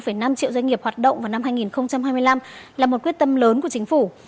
năm triệu doanh nghiệp hoạt động vào năm hai nghìn hai mươi năm là một quyết tâm lớn của chính phủ